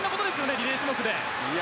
リレー種目で。